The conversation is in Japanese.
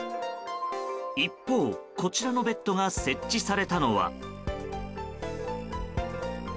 一方、こちらのベッドが設置されたのは。